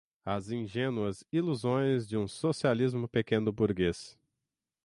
as ingênuas ilusões de um socialismo pequeno-burguês